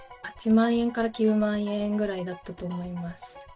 ８万円から９万円ぐらいだったと思います。